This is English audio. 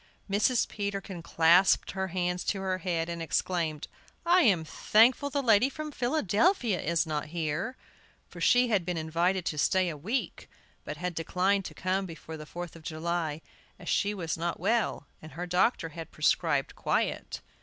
Mrs. Peterkin clasped her hands to her head and exclaimed: "I am thankful the lady from Philadelphia is not here!" For she had been invited to stay a week, but had declined to come before the Fourth of July, as she was not well, and her doctor had prescribed quiet.